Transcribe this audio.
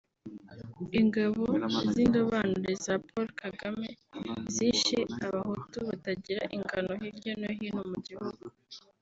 Ingabo z’indobanure za Paul Kagame zishe abahutu batagira ingano hirya no hino mu gihugu